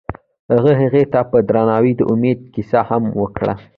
هغه هغې ته په درناوي د امید کیسه هم وکړه.